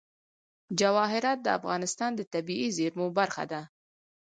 جواهرات د افغانستان د طبیعي زیرمو برخه ده.